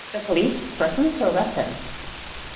The police threatened to arrest him.